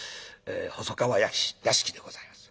細川屋敷でございます。